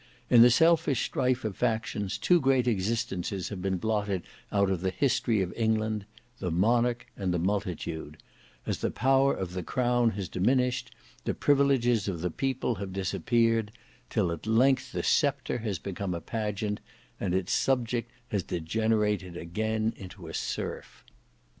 In the selfish strife of factions two great existences have been blotted out of the history of England—the Monarch and the Multitude; as the power of the Crown has diminished, the privileges of the People have disappeared; till at length the sceptre has become a pageant, and its subject has degenerated again into a serf.